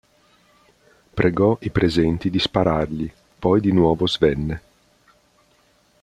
Pregò i presenti di sparargli, poi di nuovo svenne.